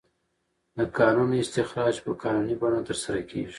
د کانونو استخراج په قانوني بڼه ترسره کیږي.